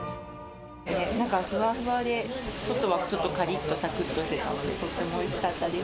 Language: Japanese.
中がふわふわで、外はちょっとかりっと、さくっとして、とてもおいしかったです。